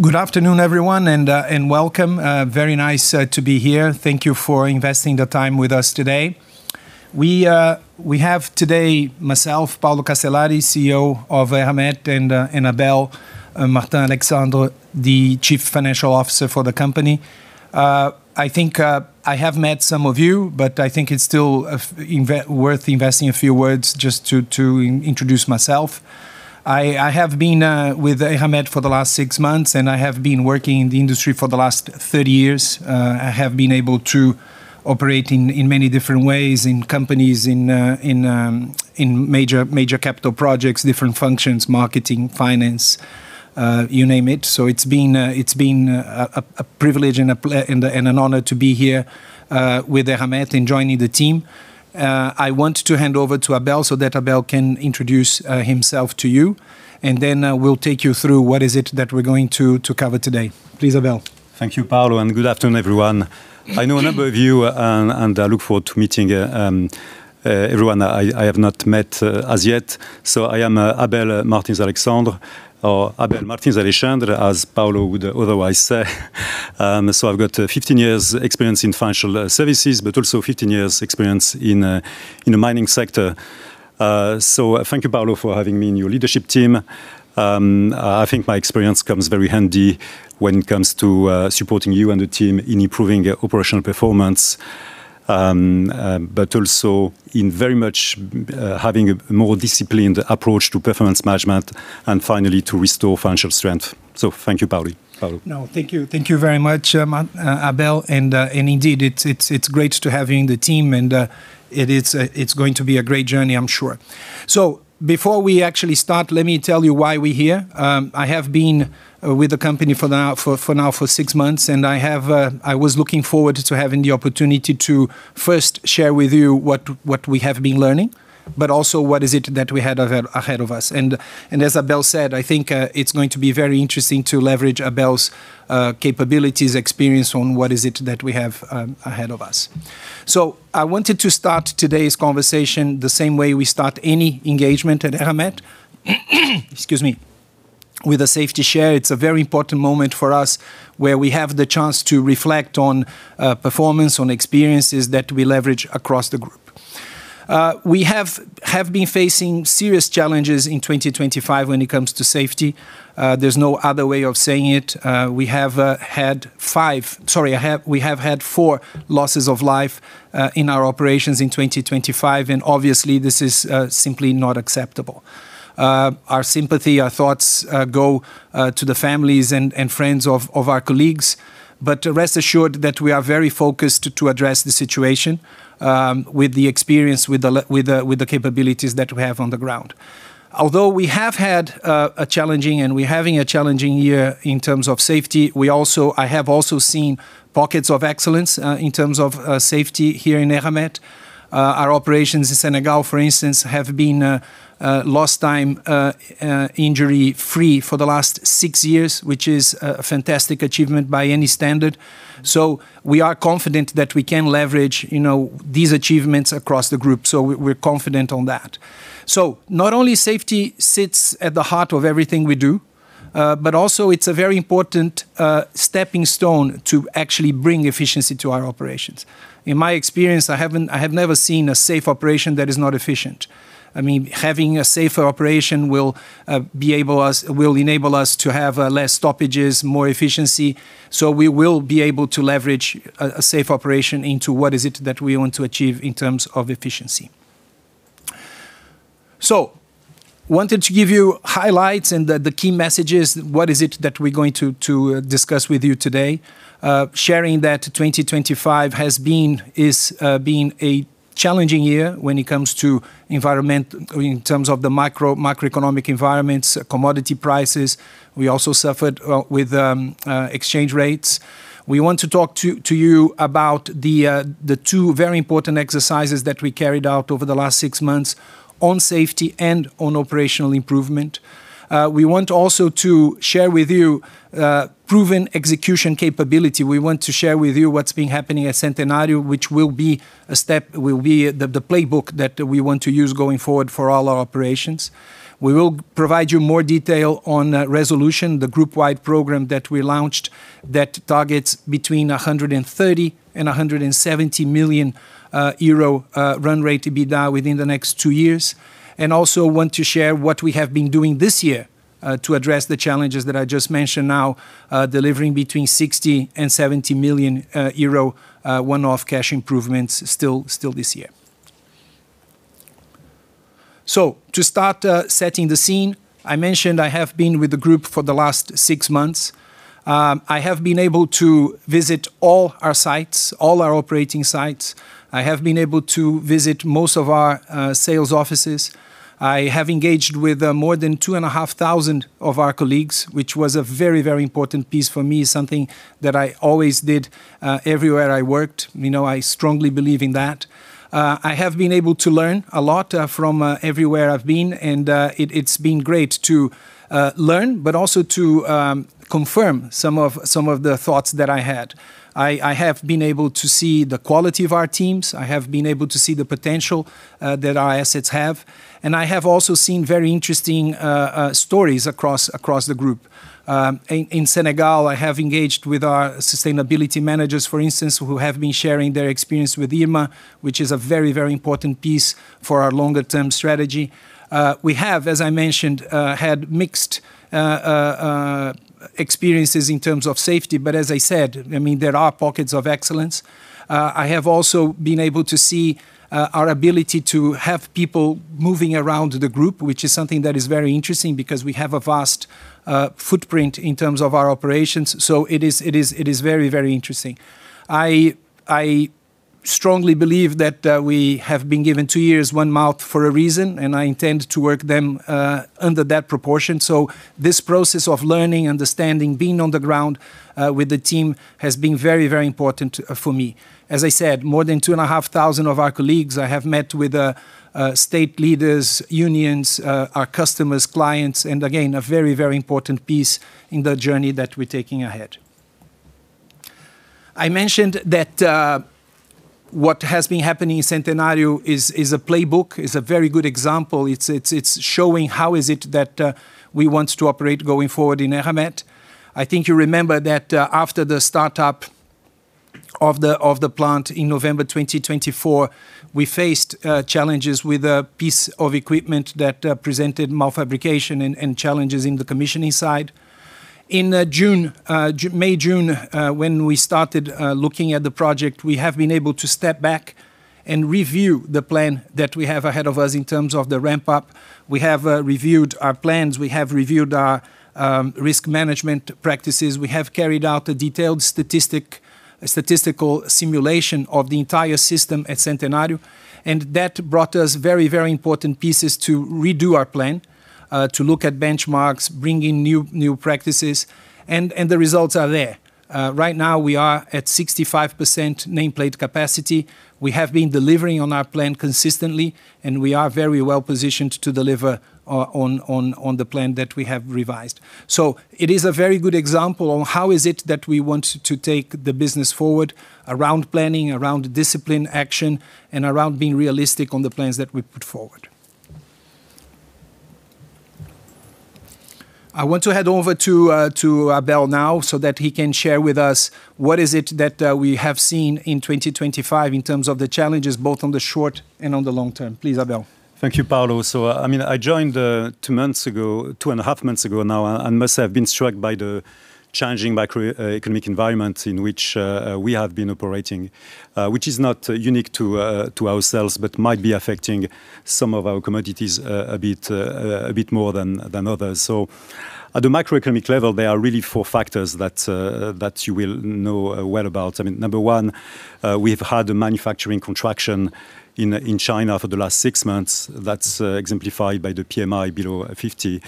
Good afternoon, everyone, and welcome. Very nice to be here. Thank you for investing the time with us today. We have today myself, Paulo Castellari, CEO of Eramet, and Abel Martins-Alexandre, the Chief Financial Officer for the company. I think I have met some of you, but I think it's still worth investing a few words just to introduce myself. I have been with Eramet for the last six months, and I have been working in the industry for the last 30 years. I have been able to operate in many different ways in companies, in major capital projects, different functions, marketing, finance, you name it. So it's been a privilege and an honor to be here with Eramet and joining the team. I want to hand over to Abel so that Abel can introduce himself to you, and then we'll take you through what is it that we're going to cover today. Please, Abel. Thank you, Paulo, and good afternoon, everyone. I know a number of you, and I look forward to meeting everyone I have not met as yet. So I am Abel Martins-Alexandre, or Abel Martins Alexandre, as Paulo would otherwise say. So I've got 15 years' experience in financial services, but also 15 years' experience in the mining sector. So thank you, Paulo, for having me in your leadership team. I think my experience comes very handy when it comes to supporting you and the team in improving operational performance, but also in very much having a more disciplined approach to performance management and finally to restore financial strength. So thank you, Paulo. No, thank you. Thank you very much, Abel, and indeed, it's great to have you in the team, and it's going to be a great journey, I'm sure, so before we actually start, let me tell you why we're here. I have been with the company for now for six months, and I was looking forward to having the opportunity to first share with you what we have been learning, but also what is it that we had ahead of us, and as Abel said, I think it's going to be very interesting to leverage Abel's capabilities, experience on what is it that we have ahead of us, so I wanted to start today's conversation the same way we start any engagement at Eramet, excuse me, with a Safety Share. It's a very important moment for us where we have the chance to reflect on performance, on experiences that we leverage across the group. We have been facing serious challenges in 2025 when it comes to safety. There's no other way of saying it. We have had five, sorry, we have had four losses of life in our operations in 2025, and obviously, this is simply not acceptable. Our sympathy, our thoughts go to the families and friends of our colleagues, but rest assured that we are very focused to address the situation with the experience, with the capabilities that we have on the ground. Although we have had, and we're having a challenging year in terms of safety, I have also seen pockets of excellence in terms of safety here in Eramet. Our operations in Senegal, for instance, have been Lost Time Injury-free for the last six years, which is a fantastic achievement by any standard. So we are confident that we can leverage these achievements across the group. So we're confident on that. So not only safety sits at the heart of everything we do, but also it's a very important stepping stone to actually bring efficiency to our operations. In my experience, I have never seen a safe operation that is not efficient. I mean, having a safer operation will enable us to have less stoppages, more efficiency. So we will be able to leverage a safe operation into what is it that we want to achieve in terms of efficiency. I wanted to give you highlights and the key messages, what is it that we're going to discuss with you today, sharing that 2025 has been a challenging year when it comes to environment, in terms of the macroeconomic environments, commodity prices. We also suffered with exchange rates. We want to talk to you about the two very important exercises that we carried out over the last six months on safety and on operational improvement. We want also to share with you proven execution capability. We want to share with you what's been happening at Centenario, which will be a step, will be the playbook that we want to use going forward for all our operations. We will provide you more detail on ReSolution, the group-wide program that we launched that targets between 130 million and 170 million euro run rate to be down within the next two years. And also want to share what we have been doing this year to address the challenges that I just mentioned now, delivering between 60 million and 70 million euro one-off cash improvements still this year. So to start setting the scene, I mentioned I have been with the group for the last six months. I have been able to visit all our sites, all our operating sites. I have been able to visit most of our sales offices. I have engaged with more than two and a half thousand of our colleagues, which was a very, very important piece for me, something that I always did everywhere I worked. I strongly believe in that. I have been able to learn a lot from everywhere I've been, and it's been great to learn, but also to confirm some of the thoughts that I had. I have been able to see the quality of our teams. I have been able to see the potential that our assets have. And I have also seen very interesting stories across the group. In Senegal, I have engaged with our sustainability managers, for instance, who have been sharing their experience with IRMA, which is a very, very important piece for our longer-term strategy. We have, as I mentioned, had mixed experiences in terms of safety, but as I said, I mean, there are pockets of excellence. I have also been able to see our ability to have people moving around the group, which is something that is very interesting because we have a vast footprint in terms of our operations. So it is very, very interesting. I strongly believe that we have been given two years, one month for a reason, and I intend to work them under that proportion. So this process of learning, understanding, being on the ground with the team has been very, very important for me. As I said, more than two and a half thousand of our colleagues, I have met with state leaders, unions, our customers, clients, and again, a very, very important piece in the journey that we're taking ahead. I mentioned that what has been happening in Centenario is a playbook, is a very good example. It's showing how is it that we want to operate going forward in Eramet. I think you remember that after the startup of the plant in November 2024, we faced challenges with a piece of equipment that presented malfabrication and challenges in the commissioning side. In May-June, when we started looking at the project, we have been able to step back and review the plan that we have ahead of us in terms of the ramp-up. We have reviewed our plans. We have reviewed our risk management practices. We have carried out a detailed statistical simulation of the entire system at Centenario, and that brought us very, very important pieces to redo our plan, to look at benchmarks, bring in new practices, and the results are there. Right now, we are at 65% nameplate capacity. We have been delivering on our plan consistently, and we are very well positioned to deliver on the plan that we have revised, so it is a very good example on how is it that we want to take the business forward around planning, around discipline, action, and around being realistic on the plans that we put forward. I want to head over to Abel now so that he can share with us what it is that we have seen in 2025 in terms of the challenges, both on the short and on the long term. Please, Abel. Thank you, Paulo. So I mean, I joined two months ago, two and a half months ago now, and must have been struck by the changing macroeconomic environment in which we have been operating, which is not unique to ourselves, but might be affecting some of our commodities a bit more than others. So at the macroeconomic level, there are really four factors that you will know well about. I mean, number one, we've had a manufacturing contraction in China for the last six months that's exemplified by the PMI below 50.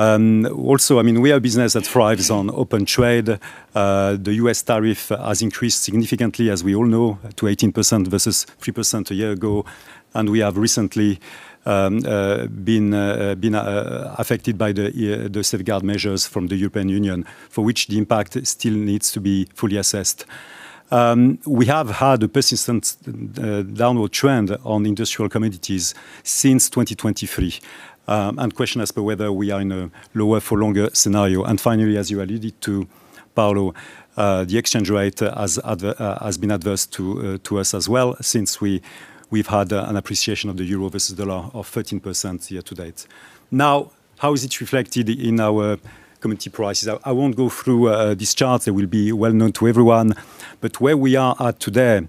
Also, I mean, we are a business that thrives on open trade. The U.S. tariff has increased significantly, as we all know, to 18% versus 3% a year ago. And we have recently been affected by the safeguard measures from the European Union, for which the impact still needs to be fully assessed. We have had a persistent downward trend on industrial commodities since 2023. And the question as per whether we are in a lower for longer scenario. And finally, as you alluded to, Paulo, the exchange rate has been adverse to us as well since we've had an appreciation of the euro versus dollar of 13% year to date. Now, how is it reflected in our commodity prices? I won't go through this chart. It will be well known to everyone. But where we are at today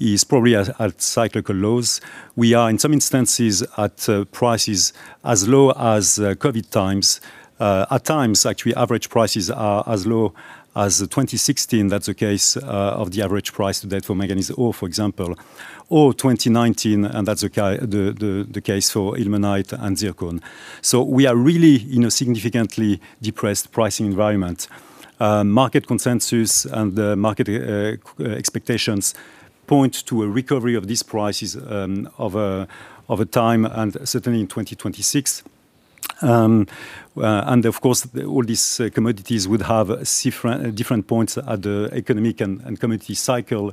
is probably at cyclical lows. We are, in some instances, at prices as low as COVID times. At times, actually, average prices are as low as 2016. That's the case of the average price today for manganese ore, for example, or 2019, and that's the case for ilmenite and zircon. So we are really in a significantly depressed pricing environment. Market consensus and market expectations point to a recovery of these prices over time, and certainly in 2026, and of course, all these commodities would have different points at the economic and commodity cycle.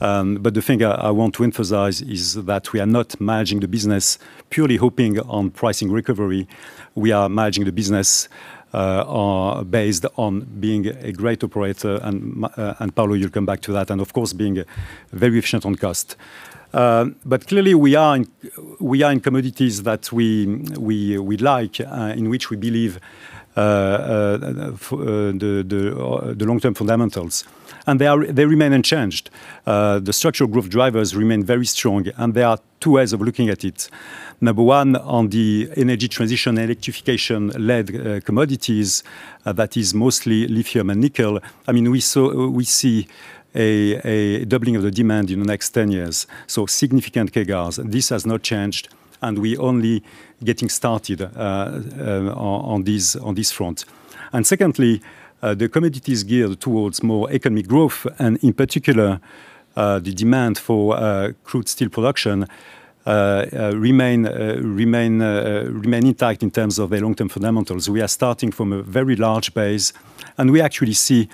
But the thing I want to emphasize is that we are not managing the business purely hoping on pricing recovery. We are managing the business based on being a great operator, and Paulo, you'll come back to that, and of course, being very efficient on cost, but clearly, we are in commodities that we like, in which we believe the long-term fundamentals, and they remain unchanged. The structural growth drivers remain very strong, and there are two ways of looking at it. Number one, on the energy transition and electrification-led commodities, that is mostly lithium and nickel. I mean, we see a doubling of the demand in the next 10 years, so significant CAGRs. This has not changed, and we're only getting started on this front, and secondly, the commodities geared towards more economic growth, and in particular, the demand for crude steel production remain intact in terms of their long-term fundamentals. We are starting from a very large base, and we actually see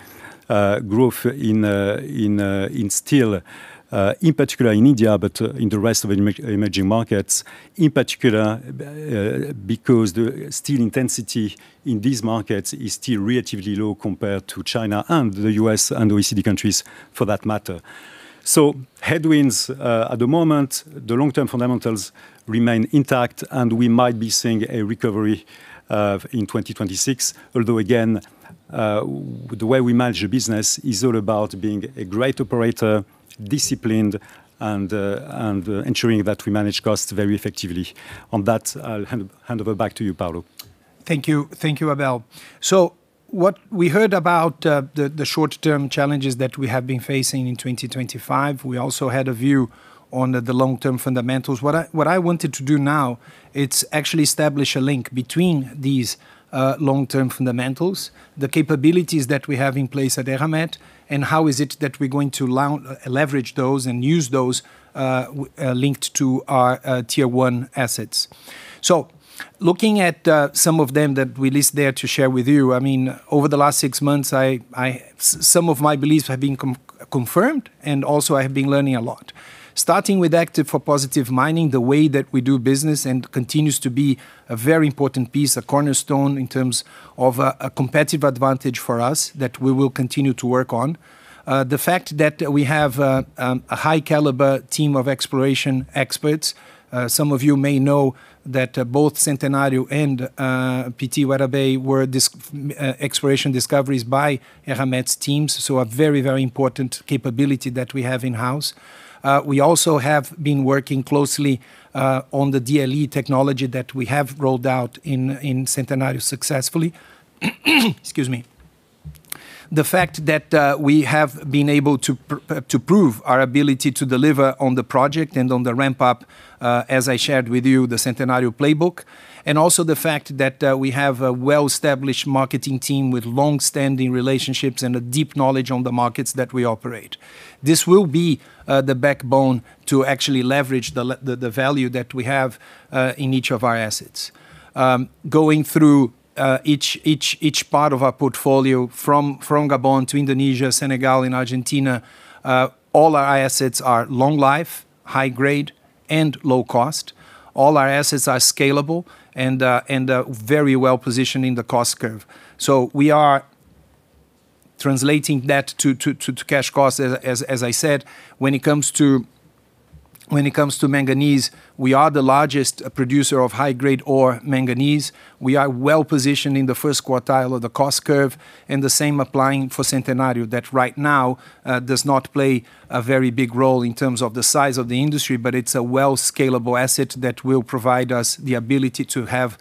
growth in steel, in particular in India, but in the rest of emerging markets, in particular because the steel intensity in these markets is still relatively low compared to China and the U.S. and OECD countries for that matter, so headwinds at the moment, the long-term fundamentals remain intact, and we might be seeing a recovery in 2026, although again, the way we manage the business is all about being a great operator, disciplined, and ensuring that we manage costs very effectively. On that, I'll hand over back to you, Paulo. Thank you, Abel. So what we heard about the short-term challenges that we have been facing in 2025, we also had a view on the long-term fundamentals. What I wanted to do now, it's actually establish a link between these long-term fundamentals, the capabilities that we have in place at Eramet, and how is it that we're going to leverage those and use those linked to our tier one assets. So looking at some of them that we list there to share with you, I mean, over the last six months, some of my beliefs have been confirmed, and also I have been learning a lot. Starting with Act for Positive Mining, the way that we do business and continues to be a very important piece, a cornerstone in terms of a competitive advantage for us that we will continue to work on. The fact that we have a high-caliber team of exploration experts. Some of you may know that both Centenario and PT Weda Bay were exploration discoveries by Eramet's teams, so a very, very important capability that we have in-house. We also have been working closely on the DLE technology that we have rolled out in Centenario successfully. Excuse me. The fact that we have been able to prove our ability to deliver on the project and on the ramp-up, as I shared with you, the Centenario playbook, and also the fact that we have a well-established marketing team with long-standing relationships and a deep knowledge on the markets that we operate. This will be the backbone to actually leverage the value that we have in each of our assets. Going through each part of our portfolio from Gabon to Indonesia, Senegal, and Argentina, all our assets are long life, high grade, and low cost. All our assets are scalable and very well positioned in the cost curve. So we are translating that to cash cost, as I said. When it comes to manganese, we are the largest producer of high-grade ore manganese. We are well positioned in the first quartile of the cost curve, and the same applying for Centenario that right now does not play a very big role in terms of the size of the industry, but it's a well-scalable asset that will provide us the ability to have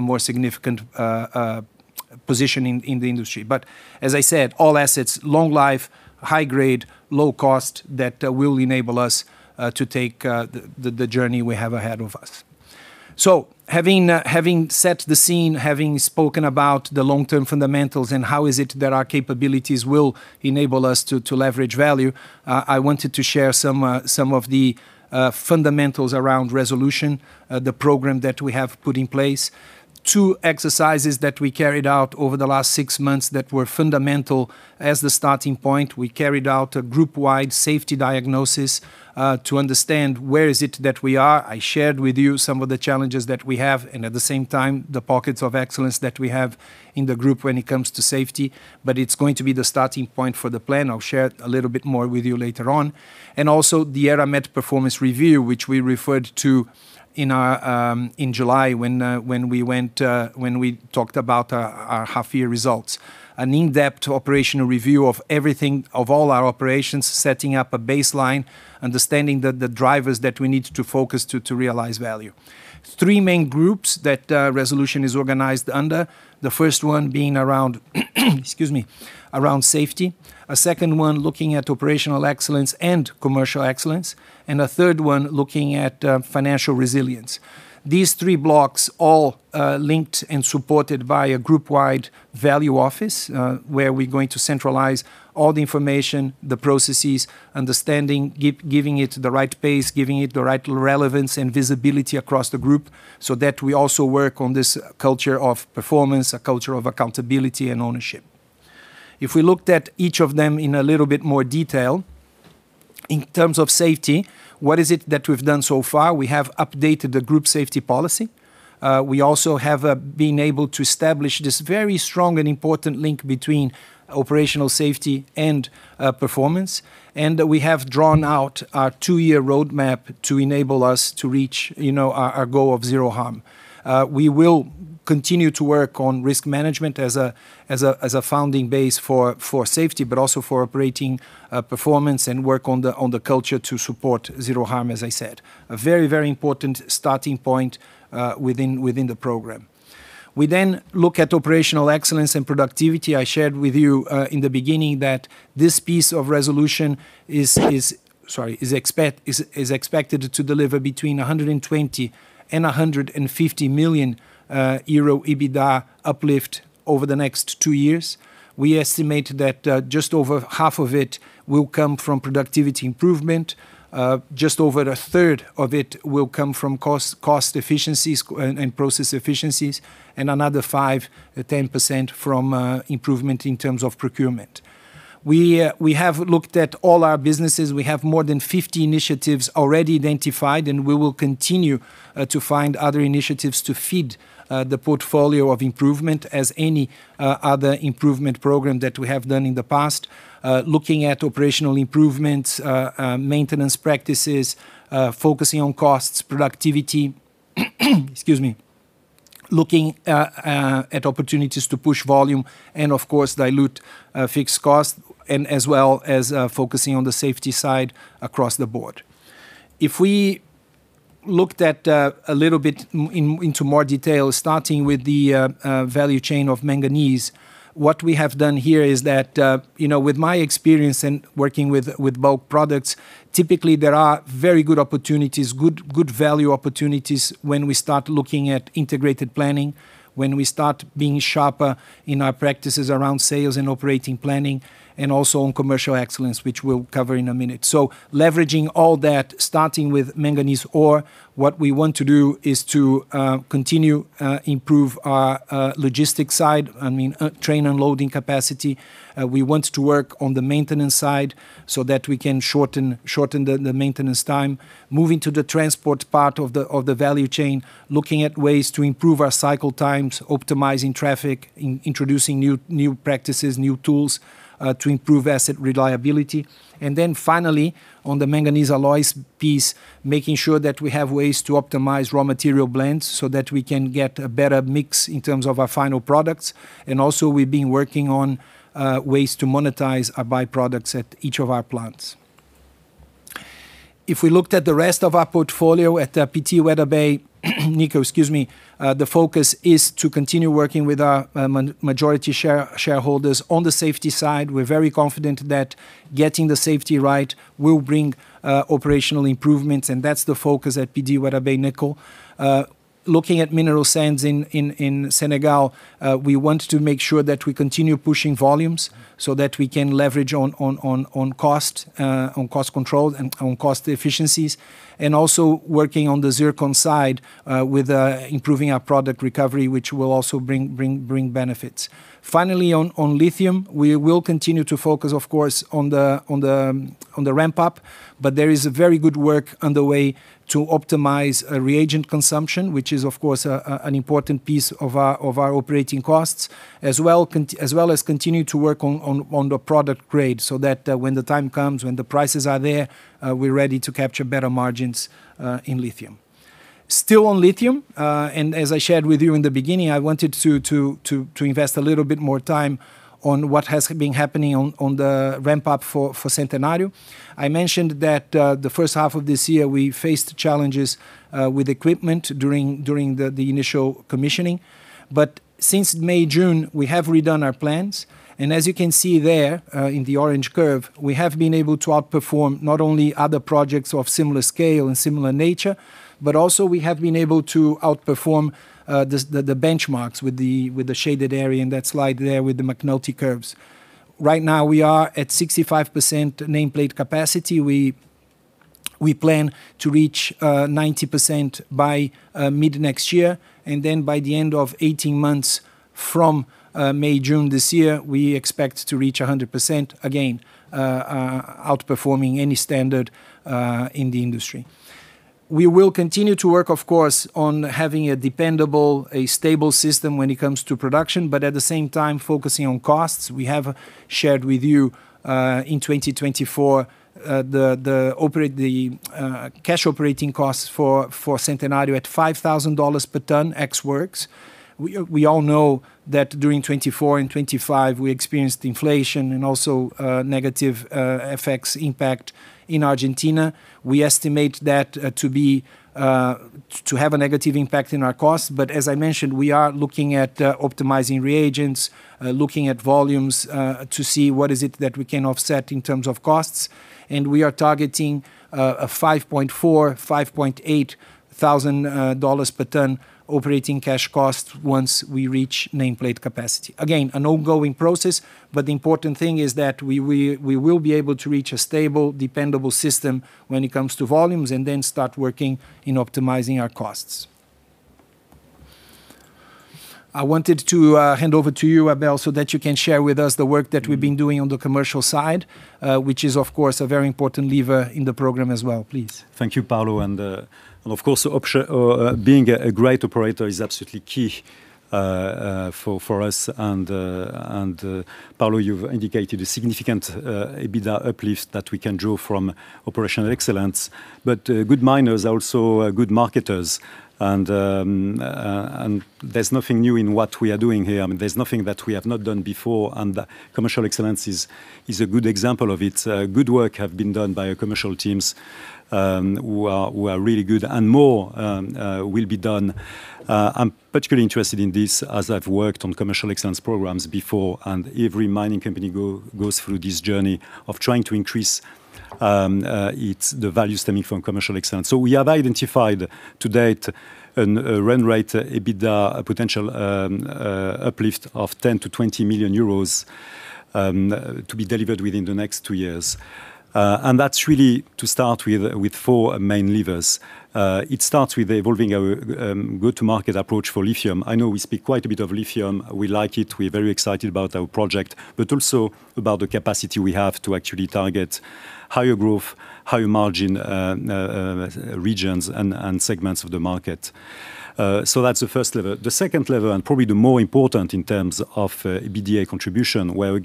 a more significant position in the industry. But as I said, all assets, long life, high grade, low cost that will enable us to take the journey we have ahead of us. Having set the scene, having spoken about the long-term fundamentals and how is it that our capabilities will enable us to leverage value, I wanted to share some of the fundamentals around ReSolution, the program that we have put in place. Two exercises that we carried out over the last six months that were fundamental as the starting point. We carried out a group-wide safety diagnosis to understand where is it that we are. I shared with you some of the challenges that we have and at the same time, the pockets of excellence that we have in the group when it comes to safety. But it's going to be the starting point for the plan. I'll share a little bit more with you later on, and also the Eramet Performance Review, which we referred to in July when we talked about our half-year results. An in-depth operational review of everything, of all our operations, setting up a baseline, understanding the drivers that we need to focus to realize value. Three main groups that ReSolution is organized under. The first one being around, excuse me, around safety. A second one looking at operational excellence and commercial excellence, and a third one looking at financial resilience. These three blocks all linked and supported by a group-wide Value Office where we're going to centralize all the information, the processes, understanding, giving it the right pace, giving it the right relevance and visibility across the group so that we also work on this culture of performance, a culture of accountability and ownership. If we looked at each of them in a little bit more detail, in terms of safety, what is it that we've done so far? We have updated the group safety policy We also have been able to establish this very strong and important link between operational safety and performance, and we have drawn out our two-year roadmap to enable us to reach our goal of zero harm. We will continue to work on risk management as a founding base for safety, but also for operating performance and work on the culture to support zero harm, as I said. A very, very important starting point within the program. We then look at operational excellence and productivity. I shared with you in the beginning that this piece of ReSolution is expected to deliver between 120 million and 150 million euro EBITDA uplift over the next two years. We estimate that just over half of it will come from productivity improvement. Just over a third of it will come from cost efficiencies and process efficiencies, and another 5%-10% from improvement in terms of procurement. We have looked at all our businesses. We have more than 50 initiatives already identified, and we will continue to find other initiatives to feed the portfolio of improvement as any other improvement program that we have done in the past, looking at operational improvements, maintenance practices, focusing on costs, productivity. Excuse me. Looking at opportunities to push volume and, of course, dilute fixed costs, as well as focusing on the safety side across the board. If we looked at a little bit into more detail, starting with the value chain of manganese, what we have done here is that with my experience and working with bulk products, typically there are very good opportunities, good value opportunities when we start looking at integrated planning, when we start being sharper in our practices around sales and operating planning, and also on commercial excellence, which we'll cover in a minute. So leveraging all that, starting with manganese ore, what we want to do is to continue to improve our logistics side, I mean, train and loading capacity. We want to work on the maintenance side so that we can shorten the maintenance time. Moving to the transport part of the value chain, looking at ways to improve our cycle times, optimizing traffic, introducing new practices, new tools to improve asset reliability. And then finally, on the manganese alloys piece, making sure that we have ways to optimize raw material blends so that we can get a better mix in terms of our final products. And also we've been working on ways to monetize our byproducts at each of our plants. If we looked at the rest of our portfolio at PT Weda Bay Nickel, excuse me, the focus is to continue working with our majority shareholders on the safety side. We're very confident that getting the safety right will bring operational improvements, and that's the focus at PT Weda Bay Nickel. Looking at mineral sands in Senegal, we want to make sure that we continue pushing volumes so that we can leverage on cost controls and on cost efficiencies, and also working on the zircon side with improving our product recovery, which will also bring benefits. Finally, on lithium, we will continue to focus, of course, on the ramp-up, but there is very good work underway to optimize reagent consumption, which is, of course, an important piece of our operating costs, as well as continue to work on the product grade so that when the time comes, when the prices are there, we're ready to capture better margins in lithium. Still on lithium, and as I shared with you in the beginning, I wanted to invest a little bit more time on what has been happening on the ramp-up for Centenario. I mentioned that the first half of this year we faced challenges with equipment during the initial commissioning, but since May, June, we have redone our plans. As you can see there in the orange curve, we have been able to outperform not only other projects of similar scale and similar nature, but also we have been able to outperform the benchmarks with the shaded area in that slide there with the McNulty curves. Right now, we are at 65% nameplate capacity. We plan to reach 90% by mid-next year, and then by the end of 18 months from May, June this year, we expect to reach 100% again, outperforming any standard in the industry. We will continue to work, of course, on having a dependable, stable system when it comes to production, but at the same time, focusing on costs. We have shared with you in 2024 the cash operating costs for Centenario at $5,000 per ton ex-works. We all know that during 2024 and 2025, we experienced inflation and also negative effects impact in Argentina. We estimate that to have a negative impact in our costs, but as I mentioned, we are looking at optimizing reagents, looking at volumes to see what is it that we can offset in terms of costs, and we are targeting a $5,400-$5,800 per ton operating cash cost once we reach nameplate capacity. Again, an ongoing process, but the important thing is that we will be able to reach a stable, dependable system when it comes to volumes and then start working in optimizing our costs. I wanted to hand over to you, Abel, so that you can share with us the work that we've been doing on the commercial side, which is, of course, a very important lever in the program as well. Please. Thank you, Paulo, and of course, being a great operator is absolutely key for us, and Paulo, you've indicated a significant EBITDA uplift that we can draw from operational excellence, but good miners are also good marketers, and there's nothing new in what we are doing here. There's nothing that we have not done before, and commercial excellence is a good example of it. Good work has been done by commercial teams who are really good, and more will be done. I'm particularly interested in this as I've worked on commercial excellence programs before, and every mining company goes through this journey of trying to increase the value stemming from commercial excellence, so we have identified to date a run rate EBITDA potential uplift of 10 million-20 million euros to be delivered within the next two years, and that's really to start with four main levers. It starts with evolving a go-to-market approach for lithium. I know we speak quite a bit of lithium. We like it. We're very excited about our project, but also about the capacity we have to actually target higher growth, higher margin regions and segments of the market. So that's the first level. The second level, and probably the more important in terms of EBITDA contribution, where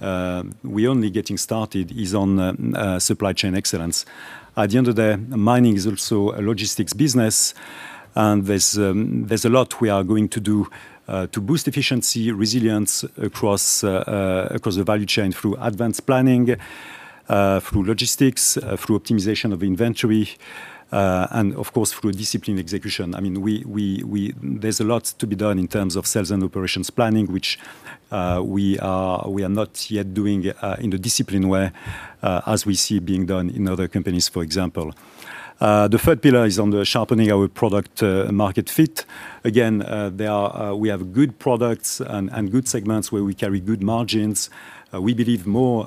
again, we're only getting started, is on supply chain excellence. At the end of the day, mining is also a logistics business, and there's a lot we are going to do to boost efficiency, resilience across the value chain through advanced planning, through logistics, through optimization of inventory, and of course, through discipline execution. I mean, there's a lot to be done in terms of sales and operations planning, which we are not yet doing in the disciplined way as we see being done in other companies, for example. The third pillar is on the sharpening of our product market fit. Again, we have good products and good segments where we carry good margins. We believe more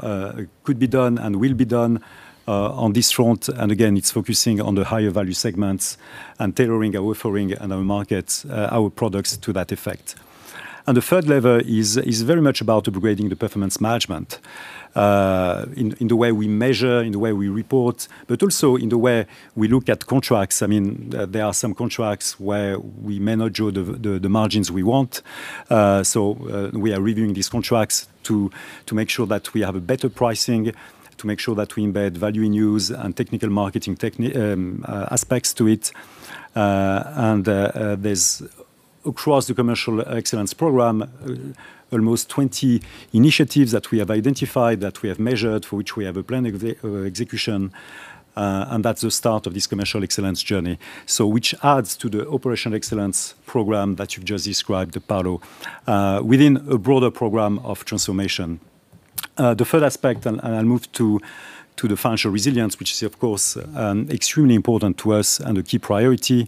could be done and will be done on this front, and again, it's focusing on the higher value segments and tailoring our offering and our markets, our products to that effect, and the third level is very much about upgrading the performance management in the way we measure, in the way we report, but also in the way we look at contracts. I mean, there are some contracts where we may not draw the margins we want. We are reviewing these contracts to make sure that we have a better pricing, to make sure that we embed value in use and technical marketing aspects to it. And there's, across the commercial excellence program, almost 20 initiatives that we have identified, that we have measured, for which we have a plan of execution, and that's the start of this commercial excellence journey, which adds to the operational excellence program that you've just described, Paulo, within a broader program of transformation. The third aspect, and I'll move to the financial resilience, which is, of course, extremely important to us and a key priority.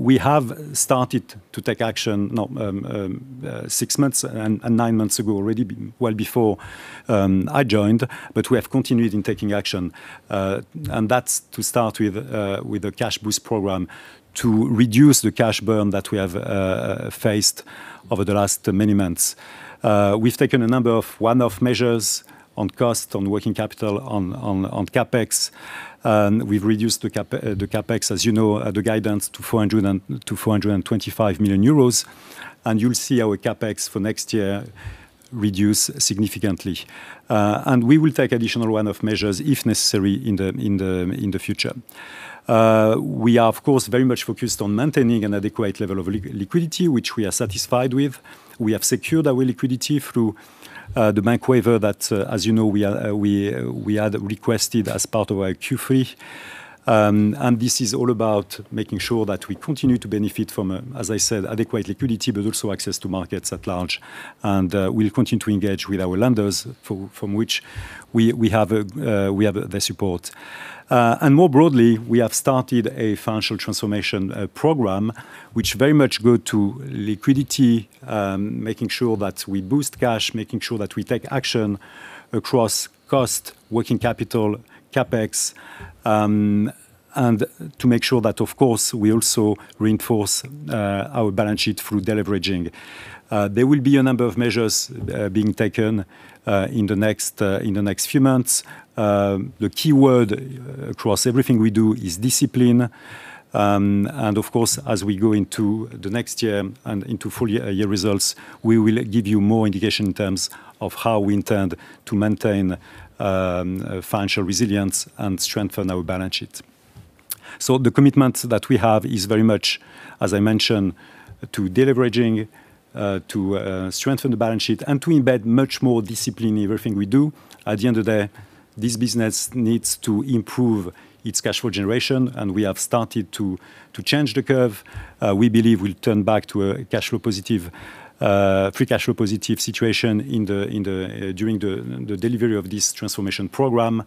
We have started to take action six months and nine months ago already, well before I joined, but we have continued in taking action, and that's to start with a cash boost program to reduce the cash burn that we have faced over the last many months. We've taken a number of one-off measures on cost, on working capital, on CapEx. We've reduced the CapEx, as you know, the guidance to 425 million euros, and you'll see our CapEx for next year reduce significantly. We will take additional one-off measures if necessary in the future. We are, of course, very much focused on maintaining an adequate level of liquidity, which we are satisfied with. We have secured our liquidity through the bank waiver that, as you know, we had requested as part of our Q3. This is all about making sure that we continue to benefit from, as I said, adequate liquidity, but also access to markets at large. We'll continue to engage with our lenders from which we have their support. More broadly, we have started a financial transformation program, which very much goes to liquidity, making sure that we boost cash, making sure that we take action across cost, working capital, CapEx, and to make sure that, of course, we also reinforce our balance sheet through deleveraging. There will be a number of measures being taken in the next few months. The key word across everything we do is discipline. Of course, as we go into the next year and into full year results, we will give you more indication in terms of how we intend to maintain financial resilience and strengthen our balance sheet. So the commitment that we have is very much, as I mentioned, to deleveraging, to strengthen the balance sheet, and to embed much more discipline in everything we do. At the end of the day, this business needs to improve its cash flow generation, and we have started to change the curve. We believe we'll turn back to a cash flow positive, free cash flow positive situation during the delivery of this transformation program,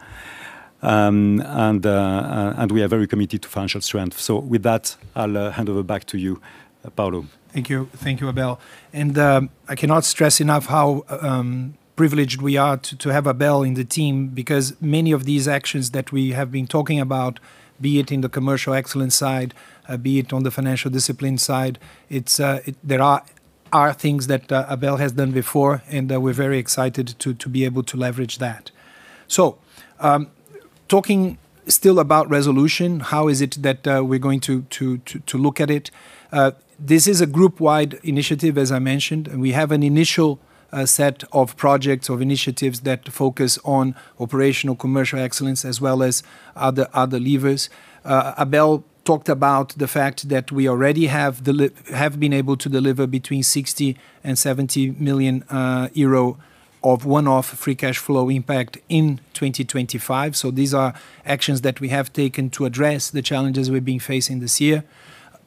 and we are very committed to financial strength. So with that, I'll hand over back to you, Paulo. Thank you. Thank you, Abel. And I cannot stress enough how privileged we are to have Abel in the team because many of these actions that we have been talking about, be it in the commercial excellence side, be it on the financial discipline side, there are things that Abel has done before, and we're very excited to be able to leverage that. So talking still about ReSolution, how is it that we're going to look at it? This is a group-wide initiative, as I mentioned, and we have an initial set of projects, of initiatives that focus on operational commercial excellence as well as other levers. Abel talked about the fact that we already have been able to deliver between 60 million and 70 million euro of one-off free cash flow impact in 2025. So these are actions that we have taken to address the challenges we've been facing this year.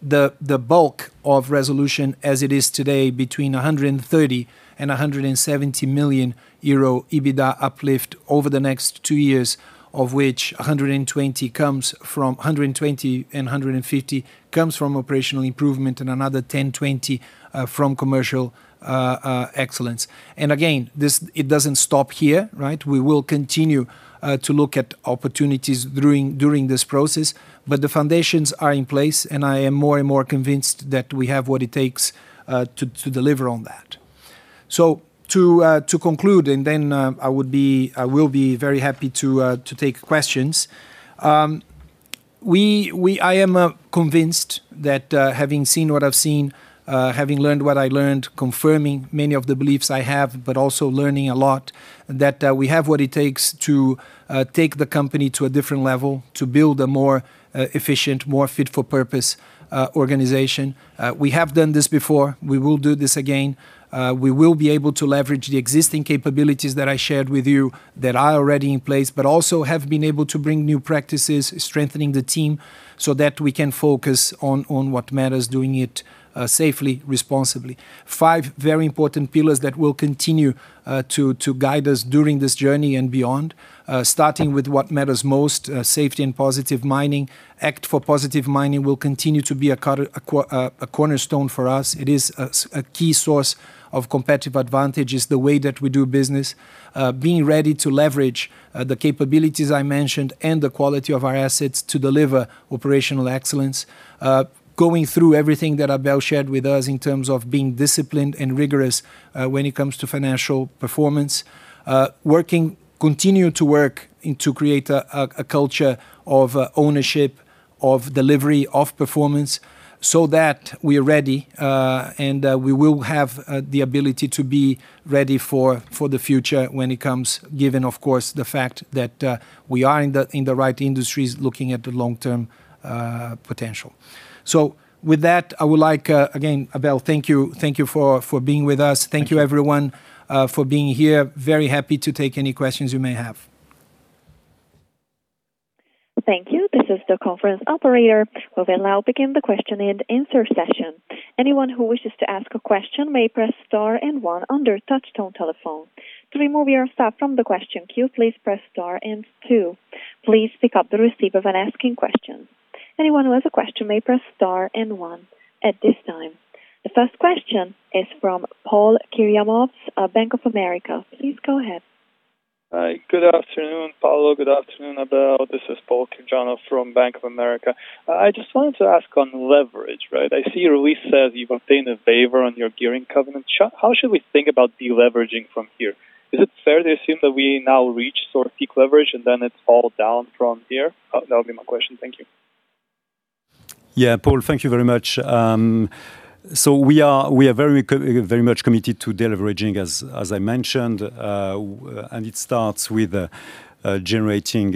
The bulk of ReSolution, as it is today, between 130 million and 170 million euro EBITDA uplift over the next two years, of which 120 million and 150 million comes from operational improvement and another 10 million-20 million from commercial excellence. And again, it doesn't stop here, right? We will continue to look at opportunities during this process, but the foundations are in place, and I am more and more convinced that we have what it takes to deliver on that. So to conclude, and then I will be very happy to take questions. I am convinced that having seen what I've seen, having learned what I learned, confirming many of the beliefs I have, but also learning a lot, that we have what it takes to take the company to a different level, to build a more efficient, more fit-for-purpose organization. We have done this before. We will do this again. We will be able to leverage the existing capabilities that I shared with you that are already in place, but also have been able to bring new practices, strengthening the team so that we can focus on what matters, doing it safely, responsibly. Five very important pillars that will continue to guide us during this journey and beyond, starting with what matters most, safety and positive mining. Act for Positive Mining will continue to be a cornerstone for us. It is a key source of competitive advantage, is the way that we do business, being ready to leverage the capabilities I mentioned and the quality of our assets to deliver operational excellence, going through everything that Abel shared with us in terms of being disciplined and rigorous when it comes to financial performance, continuing to work to create a culture of ownership, of delivery, of performance so that we are ready and we will have the ability to be ready for the future when it comes, given, of course, the fact that we are in the right industries looking at the long-term potential. So with that, I would like, again, Abel, thank you for being with us. Thank you, everyone, for being here. Very happy to take any questions you may have. Thank you. This is the conference operator. We will now begin the question and answer session. Anyone who wishes to ask a question may press star and one on your touch-tone telephone. To remove yourself from the question queue, please press star and two. Please pick up the receiver before asking a question. Anyone who has a question may press star and one at this time. The first question is from Paul Ciana of Bank of America. Please go ahead. Hi. Good afternoon, Paulo. Good afternoon, Abel. This is Paul Ciana from Bank of America. I just wanted to ask on leverage, right? I see your release says you've obtained a waiver on your gearing covenant. How should we think about deleveraging from here? Is it fair to assume that we now reach sort of peak leverage and then it's all down from here? That would be my question. Thank you. Yeah, Paul, thank you very much. So we are very much committed to deleveraging, as I mentioned, and it starts with generating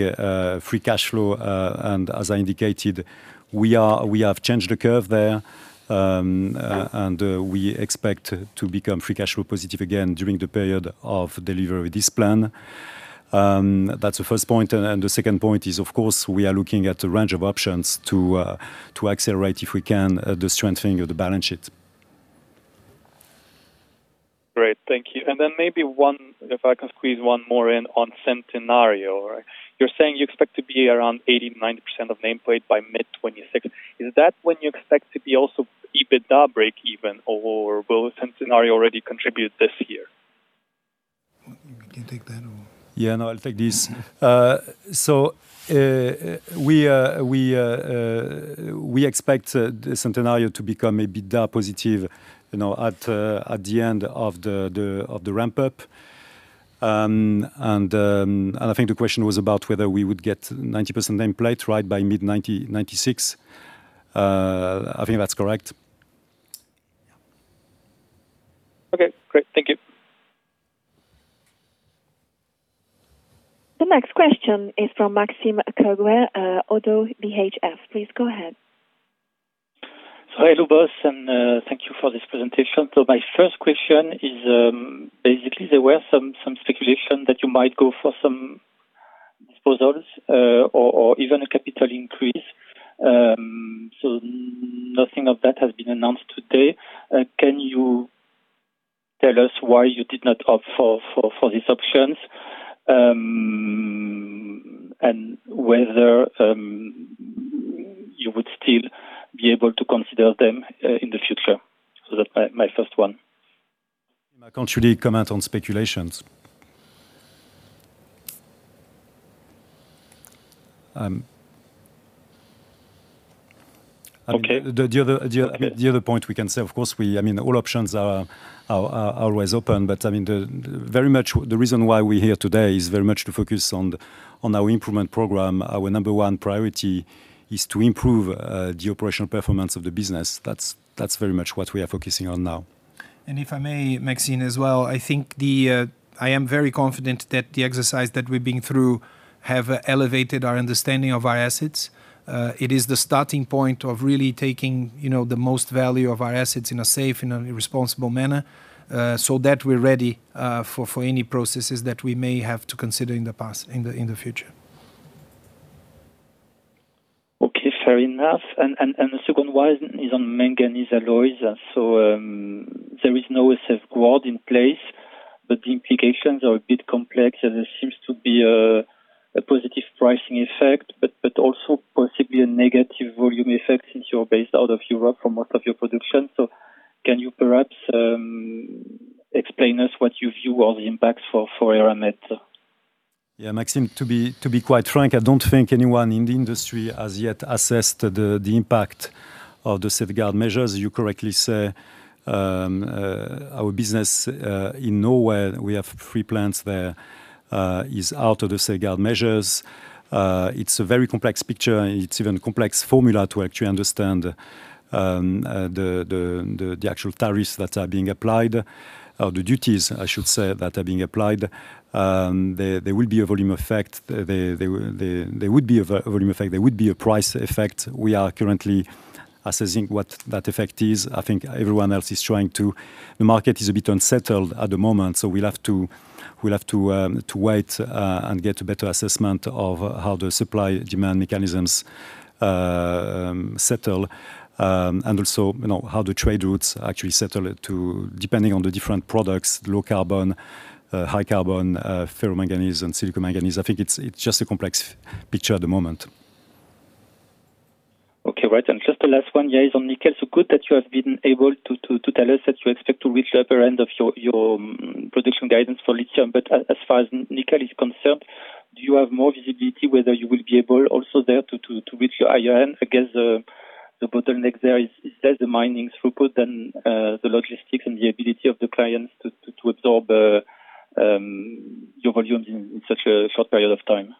free cash flow. And as I indicated, we have changed the curve there, and we expect to become free cash flow positive again during the period of delivery of this plan. That's the first point. And the second point is, of course, we are looking at a range of options to accelerate, if we can, the strengthening of the balance sheet. Great. Thank you. And then maybe one, if I can squeeze one more in on Centenario. You're saying you expect to be around 80%-90% of nameplate by mid-2026. Is that when you expect to be also EBITDA break even, or will Centenario already contribute this year? You can take that or. Yeah, no, I'll take this. We expect Centenario to become EBITDA positive at the end of the ramp-up. I think the question was about whether we would get 90% nameplate right by mid-2026. I think that's correct. Okay. Great. Thank you. The next question is from Maxime Kogge, Oddo BHF. Please go ahead. Hello, both, and thank you for this presentation. My first question is basically there were some speculation that you might go for some disposals or even a capital increase. Nothing of that has been announced today. Can you tell us why you did not opt for these options and whether you would still be able to consider them in the future? That's my first one. I can't really comment on speculations. The other point we can say, of course, I mean, all options are always open, but I mean, very much the reason why we're here today is very much to focus on our improvement program. Our number one priority is to improve the operational performance of the business. That's very much what we are focusing on now. And if I may, Maxime, as well, I think I am very confident that the exercise that we've been through has elevated our understanding of our assets. It is the starting point of really taking the most value of our assets in a safe, in a responsible manner so that we're ready for any processes that we may have to consider in the future. Okay. Fair enough. And the second one is on manganese alloys. So there is no safeguard in place, but the implications are a bit complex. There seems to be a positive pricing effect, but also possibly a negative volume effect since you're based out of Europe for most of your production. So can you perhaps explain to us what you view are the impacts for Eramet? Yeah, Maxime, to be quite frank, I don't think anyone in the industry has yet assessed the impact of the safeguard measures. You correctly say our business in Europe. Now where we have three plants there is out of the safeguard measures. It's a very complex picture. It's even a complex formula to actually understand the actual tariffs that are being applied or the duties, I should say, that are being applied. There will be a volume effect. There would be a volume effect. There would be a price effect. We are currently assessing what that effect is. I think everyone else is trying to. The market is a bit unsettled at the moment, so we'll have to wait and get a better assessment of how the supply-demand mechanisms settle and also how the trade routes actually settle depending on the different products: low-carbon, high-carbon, ferromanganese, and silicomanganese. I think it's just a complex picture at the moment. Okay. Right. And just the last one, yeah, is on nickel. So good that you have been able to tell us that you expect to reach the upper end of your production guidance for lithium. But as far as nickel is concerned, do you have more visibility whether you will be able also there to reach your higher end? I guess the bottleneck there is less the mining throughput than the logistics and the ability of the clients to absorb your volumes in such a short period of time.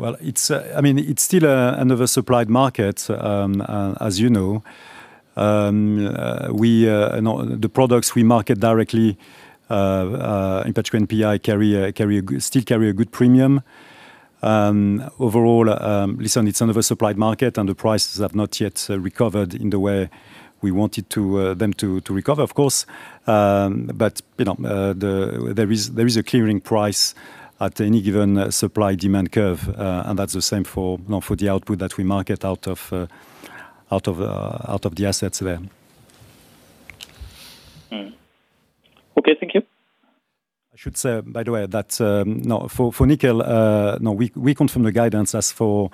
I mean, it's still an oversupplied market, as you know. The products we market directly in per ton NPI still carry a good premium. Overall, listen, it's an oversupplied market, and the prices have not yet recovered in the way we wanted them to recover, of course. But there is a clearing price at any given supply-demand curve, and that's the same for the output that we market out of the assets there. Okay. Thank you. I should say, by the way, that for nickel, we confirm the guidance as for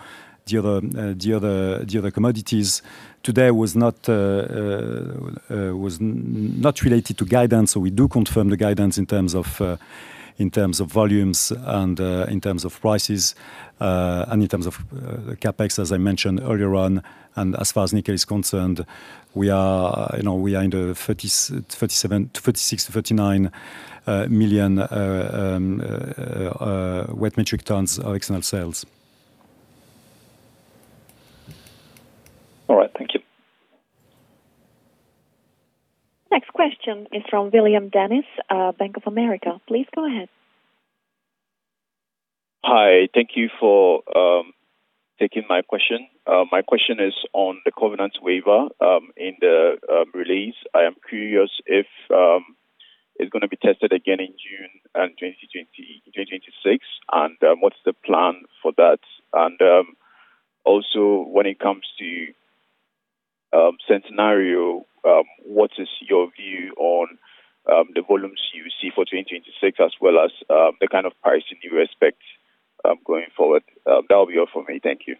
the other commodities. Today was not related to guidance, so we do confirm the guidance in terms of volumes and in terms of prices and in terms of CapEx, as I mentioned earlier on. And as far as nickel is concerned, we are in the 36 million-39 million wet metric tons of external sales. All right. Thank you. Next question is from William Dennis, Bank of America. Please go ahead. Hi. Thank you for taking my question. My question is on the covenant waiver in the release. I am curious if it's going to be tested again in June 2026, and what's the plan for that? And also, when it comes to Centenario, what is your view on the volumes you see for 2026 as well as the kind of pricing you expect going forward? That will be all for me. Thank you.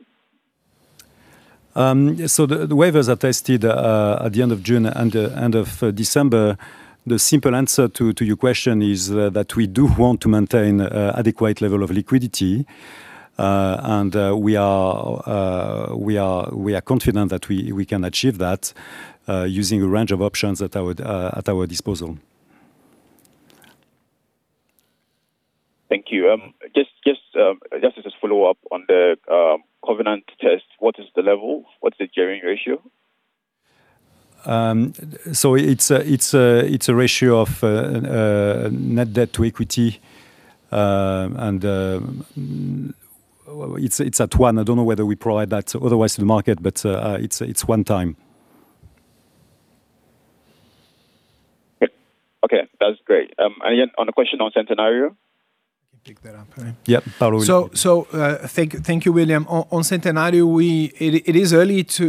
The waivers are tested at the end of June and the end of December. The simple answer to your question is that we do want to maintain an adequate level of liquidity, and we are confident that we can achieve that using a range of options at our disposal. Thank you. Just as a follow-up on the covenant test, what is the level? What's the gearing ratio? It's a ratio of net debt to equity, and it's at one. I don't know whether we provide that otherwise to the market, but it's one time. Okay. That's great. And again, on the question on Centenario. I can pick that up. Yeah. So thank you, William. On Centenario,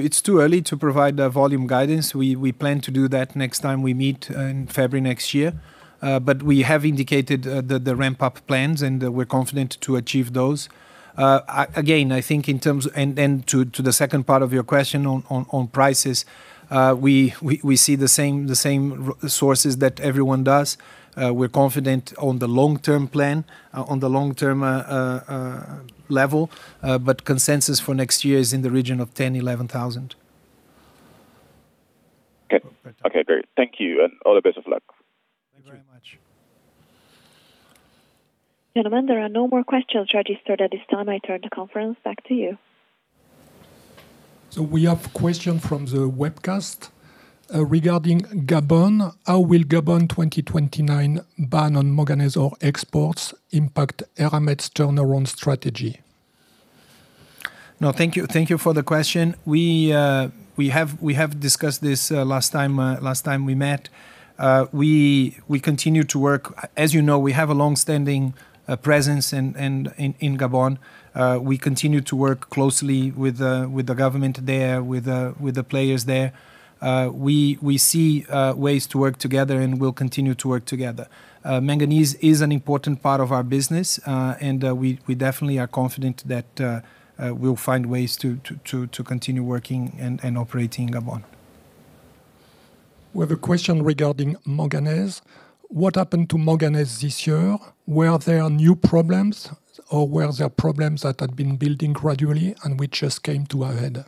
it's too early to provide volume guidance. We plan to do that next time we meet in February next year, but we have indicated the ramp-up plans, and we're confident to achieve those. Again, I think in terms and to the second part of your question on prices, we see the same sources that everyone does. We're confident on the long-term plan, on the long-term level, but consensus for next year is in the region of 10,000-11,000. Okay. Okay. Great. Thank you. And all the best of luck. Thank you very much. Gentlemen, there are no more questions registered at this time. I turn the conference back to you. We have a question from the webcast regarding Gabon. How will Gabon 2029 ban on manganese ore exports impact Eramet's turnaround strategy? No, thank you for the question. We have discussed this last time we met. We continue to work. As you know, we have a long-standing presence in Gabon. We continue to work closely with the government there, with the players there. We see ways to work together and will continue to work together. Manganese is an important part of our business, and we definitely are confident that we'll find ways to continue working and operating in Gabon. We have a question regarding manganese. What happened to manganese this year? Were there new problems, or were there problems that had been building gradually and which just came to a head?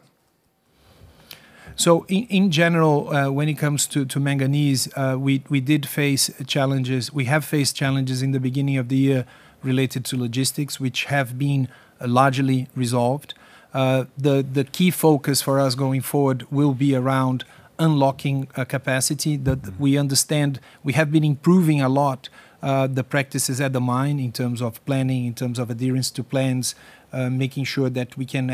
So in general, when it comes to manganese, we did face challenges. We have faced challenges in the beginning of the year related to logistics, which have been largely resolved. The key focus for us going forward will be around unlocking capacity. We understand we have been improving a lot the practices at the mine in terms of planning, in terms of adherence to plans, making sure that we can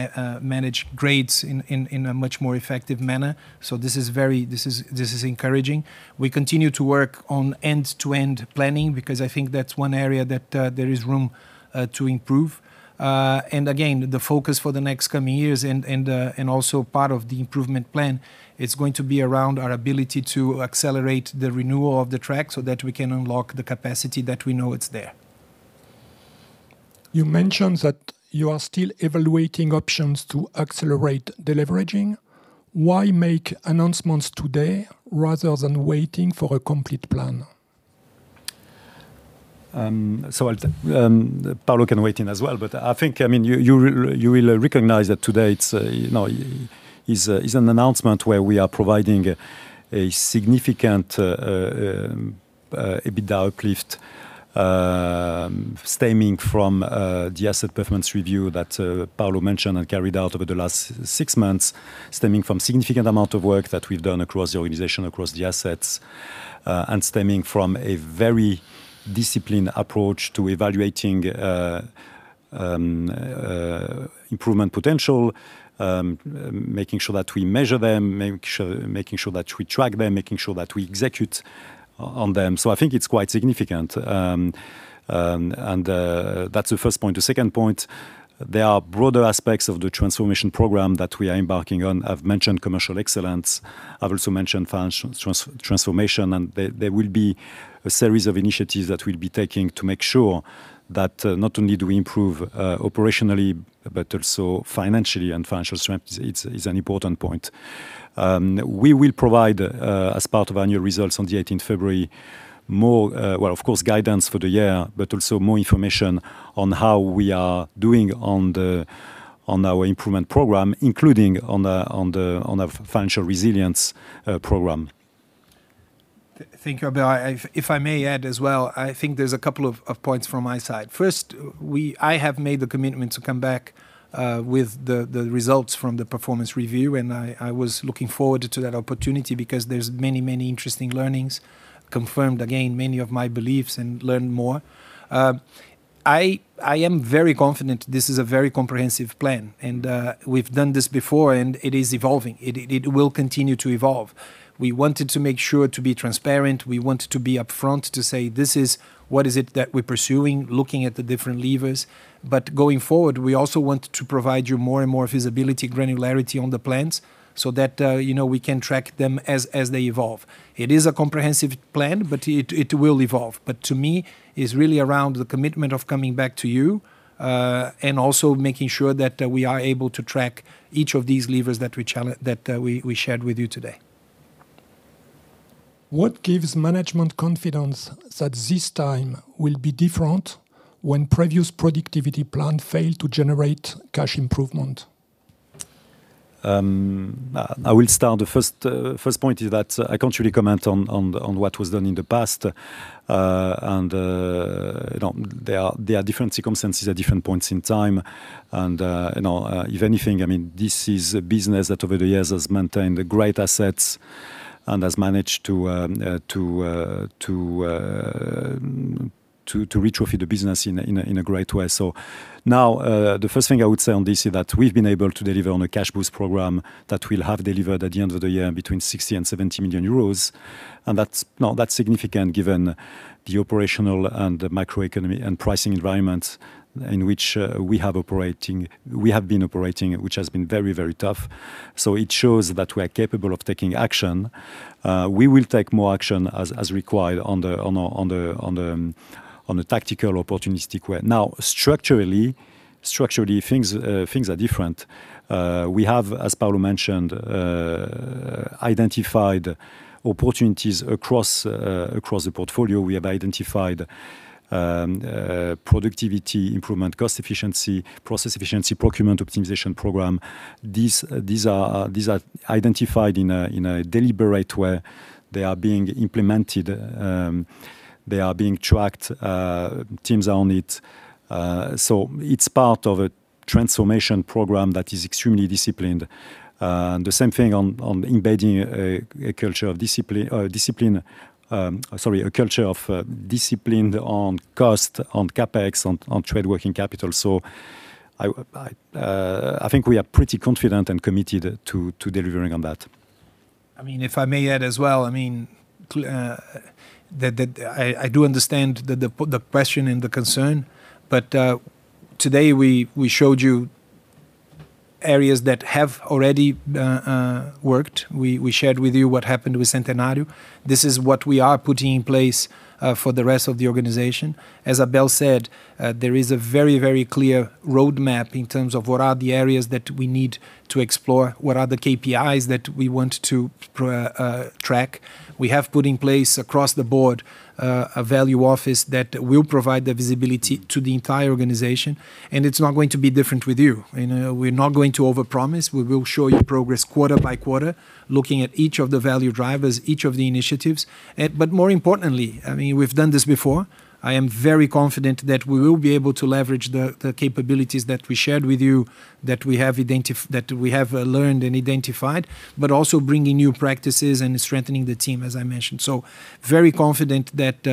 manage grades in a much more effective manner. So this is encouraging. We continue to work on end-to-end planning because I think that's one area that there is room to improve. And again, the focus for the next coming years and also part of the improvement plan, it's going to be around our ability to accelerate the renewal of the track so that we can unlock the capacity that we know it's there. You mentioned that you are still evaluating options to accelerate deleveraging. Why make announcements today rather than waiting for a complete plan? So, Paulo can wait in as well, but I think, I mean, you will recognize that today is an announcement where we are providing a significant EBITDA uplift stemming from the asset performance review that Paulo mentioned and carried out over the last six months, stemming from a significant amount of work that we've done across the organization, across the assets, and stemming from a very disciplined approach to evaluating improvement potential, making sure that we measure them, making sure that we track them, making sure that we execute on them, so I think it's quite significant, and that's the first point. The second point, there are broader aspects of the transformation program that we are embarking on. I've mentioned commercial excellence. I've also mentioned transformation, and there will be a series of initiatives that we'll be taking to make sure that not only do we improve operationally, but also financially, and financial strength is an important point. We will provide, as part of our new results on the 18th of February, more, well, of course, guidance for the year, but also more information on how we are doing on our improvement program, including on our financial resilience program. Thank you, Abel. If I may add as well, I think there's a couple of points from my side. First, I have made the commitment to come back with the results from the performance review, and I was looking forward to that opportunity because there's many, many interesting learnings, confirmed again many of my beliefs and learned more. I am very confident this is a very comprehensive plan, and we've done this before, and it is evolving. It will continue to evolve. We wanted to make sure to be transparent. We wanted to be upfront to say, "This is what is it that we're pursuing, looking at the different levers." But going forward, we also want to provide you more and more visibility, granularity on the plans so that we can track them as they evolve. It is a comprehensive plan, but it will evolve. But to me, it's really around the commitment of coming back to you and also making sure that we are able to track each of these levers that we shared with you today. What gives management confidence that this time will be different when previous productivity plan failed to generate cash improvement? I will start. The first point is that I can't really comment on what was done in the past, and there are different circumstances at different points in time, and if anything, I mean, this is a business that over the years has maintained great assets and has managed to retrofit the business in a great way, so now, the first thing I would say on this is that we've been able to deliver on a cash boost program that we'll have delivered at the end of the year between 60 million and 70 million euros. And that's significant given the operational and the macroeconomic and pricing environment in which we have been operating, which has been very, very tough, so it shows that we are capable of taking action. We will take more action as required on the tactical opportunistic way. Now, structurally, things are different. We have, as Paulo mentioned, identified opportunities across the portfolio. We have identified productivity improvement, cost efficiency, process efficiency, procurement optimization program. These are identified in a deliberate way. They are being implemented. They are being tracked. Teams are on it. So it's part of a transformation program that is extremely disciplined. The same thing on embedding a culture of discipline, sorry, a culture of discipline on cost, on CapEx, on trade working capital. So I think we are pretty confident and committed to delivering on that. I mean, if I may add as well, I mean, I do understand the question and the concern, but today we showed you areas that have already worked. We shared with you what happened with Centenario. This is what we are putting in place for the rest of the organization. As Abel said, there is a very, very clear roadmap in terms of what are the areas that we need to explore, what are the KPIs that we want to track. We have put in place across the board, a Value Office that will provide the visibility to the entire organization, and it's not going to be different with you. We're not going to overpromise. We will show you progress quarter by quarter, looking at each of the value drivers, each of the initiatives. But more importantly, I mean, we've done this before. I am very confident that we will be able to leverage the capabilities that we shared with you, that we have learned and identified, but also bringing new practices and strengthening the team, as I mentioned, so very confident that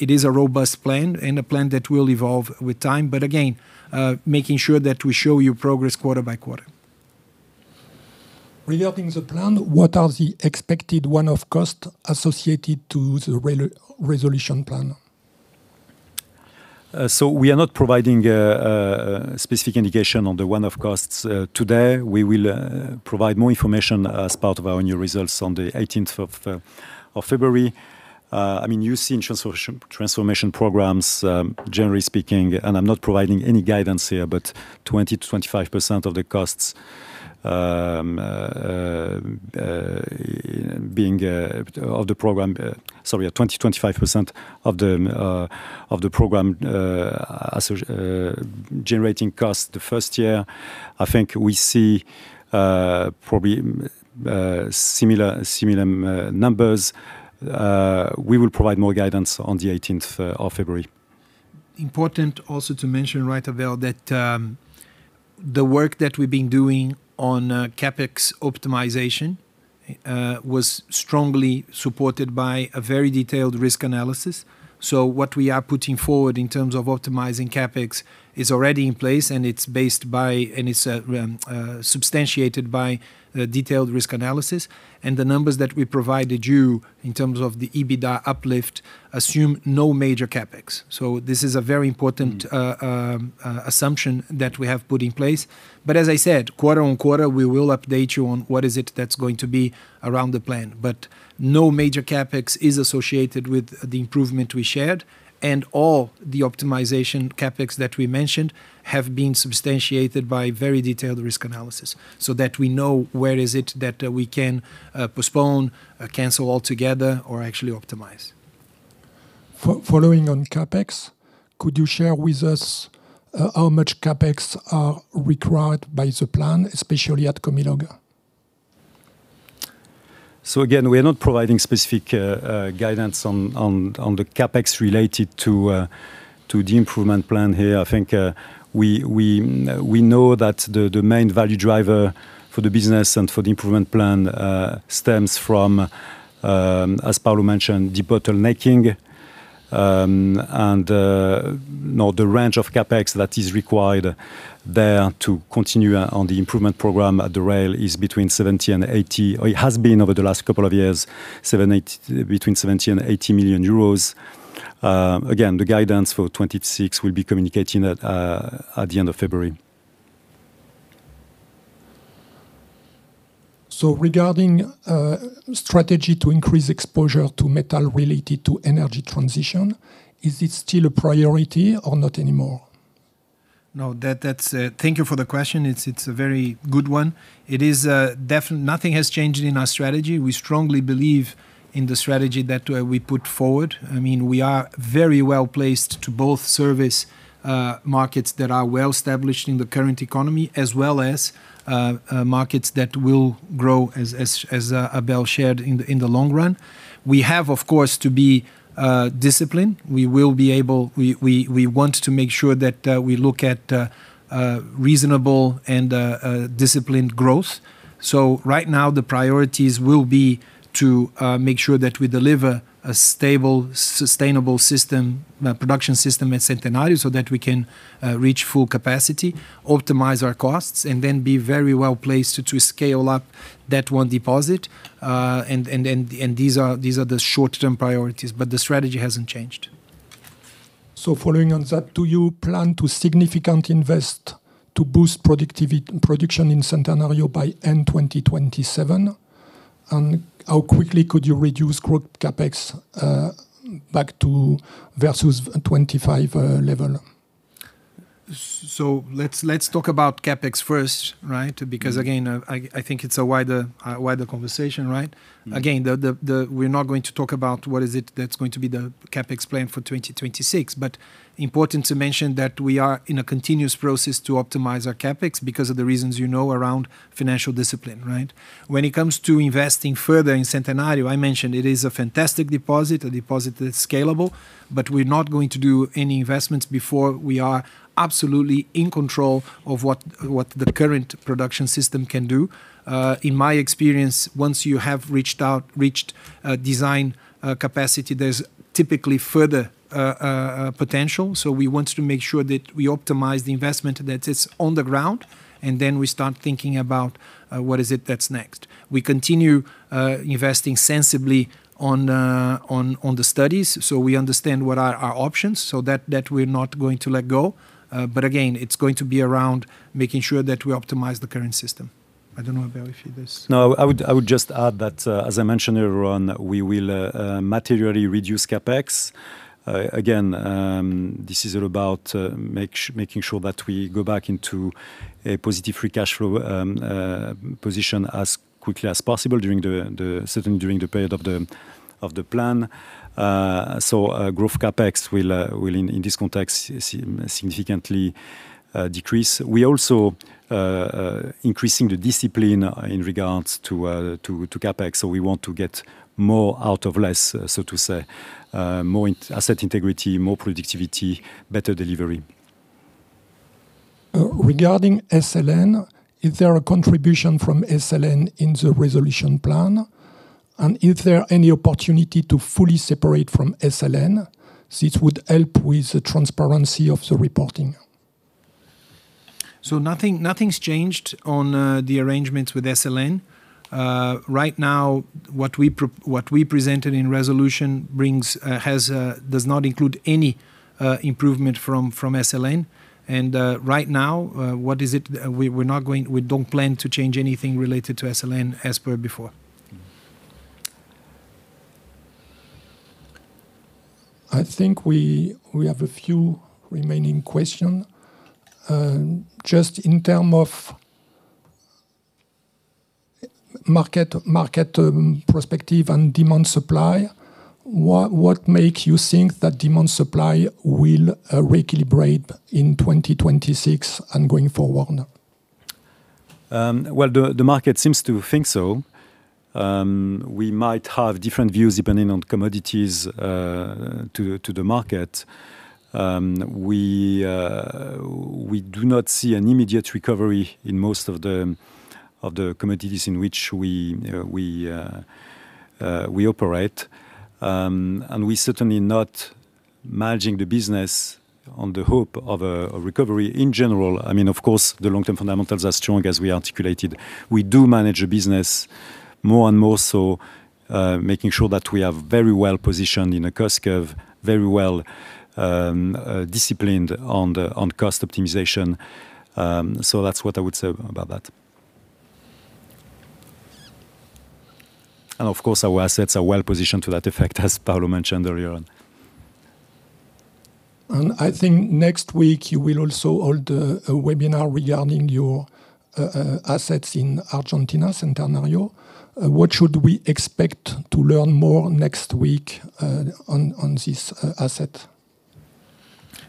it is a robust plan and a plan that will evolve with time, but again, making sure that we show you progress quarter by quarter. Regarding the ReSolution plan, what are the expected one-off costs associated to the ReSolution plan? We are not providing a specific indication on the one-off costs today. We will provide more information as part of our new results on the 18th of February. I mean, you see in transformation programs, generally speaking, and I'm not providing any guidance here, but 20%-25% of the costs being of the program, sorry, 20%-25% of the program generating costs the first year. I think we see probably similar numbers. We will provide more guidance on the 18th of February. Important also to mention, right, Abel, that the work that we've been doing on CapEx optimization was strongly supported by a very detailed risk analysis. So what we are putting forward in terms of optimizing CapEx is already in place, and it's based by, and it's substantiated by detailed risk analysis, and the numbers that we provided you in terms of the EBITDA uplift assume no major CapEx, so this is a very important assumption that we have put in place, but as I said, quarter on quarter, we will update you on what is it that's going to be around the plan, but no major CapEx is associated with the improvement we shared, and all the optimization CapEx that we mentioned have been substantiated by very detailed risk analysis so that we know where is it that we can postpone, cancel altogether, or actually optimize. Following on CapEx, could you share with us how much CapEx are required by the plan, especially at Comilog? Again, we are not providing specific guidance on the CapEx related to the improvement plan here. I think we know that the main value driver for the business and for the improvement plan stems from, as Paulo mentioned, debottlenecking and the range of CapEx that is required there to continue on the improvement program at rail is between 70 million and 80 million, or it has been over the last couple of years, between 70 million and 80 million euros. Again, the guidance for 2026 will be communicated at the end of February. So regarding strategy to increase exposure to metal related to energy transition, is it still a priority or not anymore? No, thank you for the question. It's a very good one. Nothing has changed in our strategy. We strongly believe in the strategy that we put forward. I mean, we are very well placed to both service markets that are well established in the current economy as well as markets that will grow, as Abel shared, in the long run. We have, of course, to be disciplined. We will be able, we want to make sure that we look at reasonable and disciplined growth. So right now, the priorities will be to make sure that we deliver a stable, sustainable production system at Centenario so that we can reach full capacity, optimize our costs, and then be very well placed to scale up that one deposit, and these are the short-term priorities, but the strategy hasn't changed. So following on that, do you plan to significantly invest to boost production in Centenario by end 2027? And how quickly could you reduce growth CapEx back to versus 2025 level? So let's talk about CapEx first, right? Because again, I think it's a wider conversation, right? Again, we're not going to talk about what is it that's going to be the CapEx plan for 2026, but important to mention that we are in a continuous process to optimize our CapEx because of the reasons you know around financial discipline, right? When it comes to investing further in Centenario, I mentioned it is a fantastic deposit, a deposit that's scalable, but we're not going to do any investments before we are absolutely in control of what the current production system can do. In my experience, once you have reached design capacity, there's typically further potential. So we want to make sure that we optimize the investment that is on the ground, and then we start thinking about what is it that's next. We continue investing sensibly on the studies, so we understand what are our options, so that we're not going to let go. But again, it's going to be around making sure that we optimize the current system. I don't know, Abel, if it is. No, I would just add that, as I mentioned earlier on, we will materially reduce CapEx. Again, this is all about making sure that we go back into a positive free cash flow position as quickly as possible, certainly during the period of the plan. So growth CapEx will, in this context, significantly decrease. We are also increasing the discipline in regards to CapEx. So we want to get more out of less, so to say, more asset integrity, more productivity, better delivery. Regarding SLN, is there a contribution from SLN in the ReSolution plan? And is there any opportunity to fully separate from SLN? This would help with the transparency of the reporting. So nothing's changed on the arrangements with SLN. Right now, what we presented in ReSolution does not include any improvement from SLN. And right now, what is it? We don't plan to change anything related to SLN as per before. I think we have a few remaining questions. Just in terms of market perspective and demand supply, what makes you think that demand supply will recalibrate in 2026 and going forward? The market seems to think so. We might have different views depending on commodities to the market. We do not see an immediate recovery in most of the commodities in which we operate. We're certainly not managing the business on the hope of a recovery in general. I mean, of course, the long-term fundamentals are strong, as we articulated. We do manage a business more and more so, making sure that we are very well positioned in a cost curve, very well disciplined on cost optimization. That's what I would say about that. Of course, our assets are well positioned to that effect, as Paulo mentioned earlier on. I think next week, you will also hold a webinar regarding your assets in Argentina, Centenario. What should we expect to learn more next week on this asset?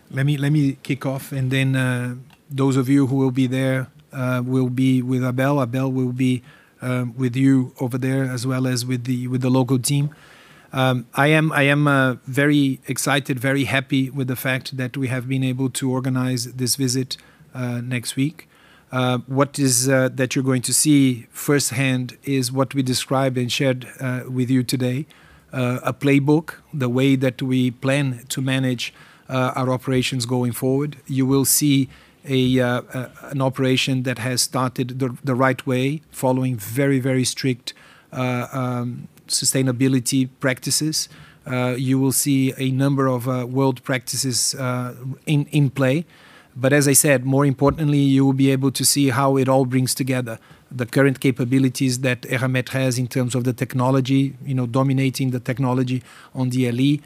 Let me kick off, and then those of you who will be there will be with Abel. Abel will be with you over there as well as with the local team. I am very excited, very happy with the fact that we have been able to organize this visit next week. What you're going to see firsthand is what we described and shared with you today, a playbook, the way that we plan to manage our operations going forward. You will see an operation that has started the right way, following very, very strict sustainability practices. You will see a number of world practices in play. But as I said, more importantly, you will be able to see how it all brings together the current capabilities that Eramet has in terms of the technology, dominating the technology on the DLE,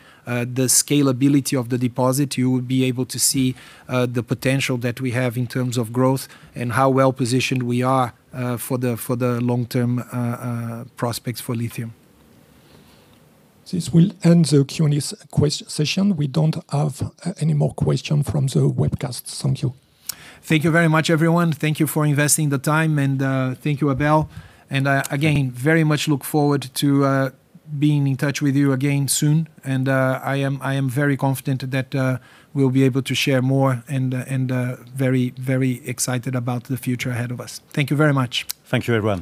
the scalability of the deposit. You will be able to see the potential that we have in terms of growth and how well positioned we are for the long-term prospects for lithium. This will end the Q&A session. We don't have any more questions from the webcast. Thank you. Thank you very much, everyone. Thank you for investing the time, and thank you, Abel, and again very much look forward to being in touch with you again soon, and I am very confident that we'll be able to share more and very, very excited about the future ahead of us. Thank you very much. Thank you, everyone.